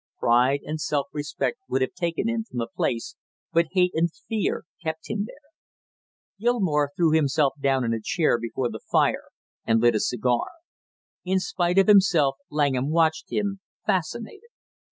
Pride and self respect would have taken him from the place but hate and fear kept him there. Gilmore threw himself down in a chair before the fire and lit a cigar. In spite of himself Langham watched him, fascinated.